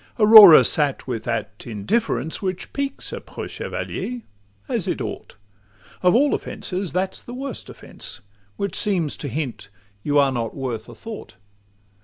Aurora sat with that indifference Which piques a preux chevalier—as it ought: Of all offences that 's the worst offence, Which seems to hint you are not worth a thought.